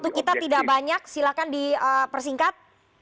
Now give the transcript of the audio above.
waktu kita tidak banyak silahkan dipersingkat